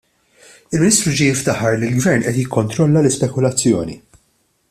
Il-Ministru ġie jiftaħar li l-Gvern qed jikkontrolla l-ispekulazzjoni.